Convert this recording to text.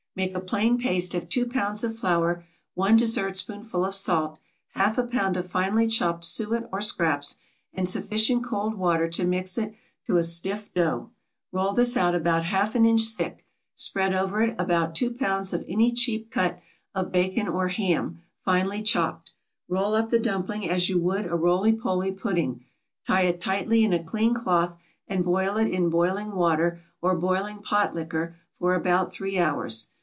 = Make a plain paste of two pounds of flour, one dessertspoonful of salt, half a pound of finely chopped suet or scraps, and sufficient cold water to mix it to a stiff dough; roll this out about half an inch thick, spread over it about two pounds of any cheap cut of bacon or ham, finely chopped, roll up the dumpling as you would a roly poly pudding, tie it tightly in a clean cloth, and boil it in boiling water, or boiling pot liquor, for about three hours.